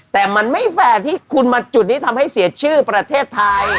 แต่มันไม่แฟร์ที่คุณมาจุดนี้ทำให้เสียชื่อประเทศไทย